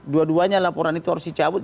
dua duanya laporan itu harus dicabut